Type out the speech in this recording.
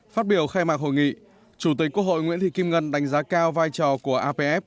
phát biểu khai mạc hội nghị chủ tịch quốc hội nguyễn thị kim ngân đánh giá cao vai trò của apf